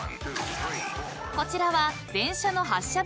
［こちらは］